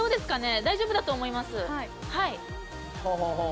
大丈夫だと思います。